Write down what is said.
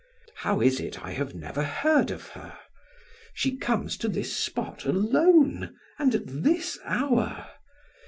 How is it I have never heard of her? She comes to this spot alone, and at this hour?